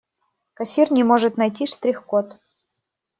Кассир не может найти штрих-код.